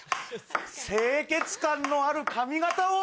清潔感のある髪形を。